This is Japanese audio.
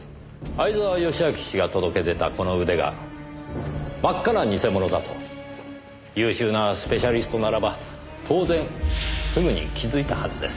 相沢良明氏が届け出たこの腕が真っ赤な偽物だと優秀なスペシャリストならば当然すぐに気づいたはずです。